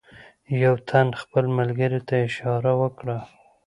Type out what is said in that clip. یوه تن خپل ملګري ته اشاره وکړه.